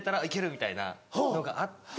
みたいなのがあって。